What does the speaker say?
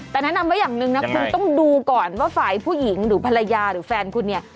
แต่แนะนำไว้อย่างหนึ่งนะคุณต้องดูก่อนว่าฝ่ายผู้หญิงหรือภรรยาหรือแฟนคุณเนี่ย